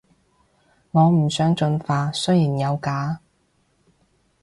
我唔想進化，雖然有假